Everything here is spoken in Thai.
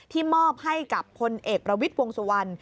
มอบให้กับพลเอกประวิทย์วงสุวรรณ